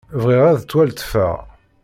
Bɣiɣ ad ttwaletfeɣ.